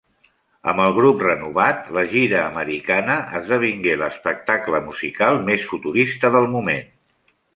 Amb el grup renovat, la gira americana esdevingué l'espectacle musical més futurista del moment.